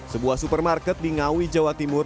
sebuah supermarket di ngawi jawa timur